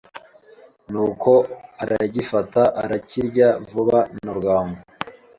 Ni uko aragifata arakirya vuba nabwangu